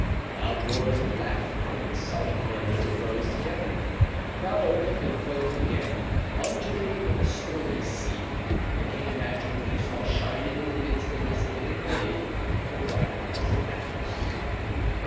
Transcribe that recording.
Loud roars of laughter and sullen murmurs arose together. The crowd opened and closed again, undulating like a stormy sea, and the king imagined that he saw shining in the midst of this living wave the bright eyes of Athos.